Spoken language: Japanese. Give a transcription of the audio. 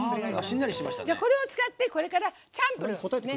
これを使ってこれからチャンプルー。